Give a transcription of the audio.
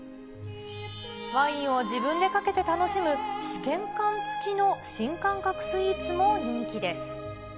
ワインを自分でかけて楽しむ、試験管付きの新感覚スイーツも人気です。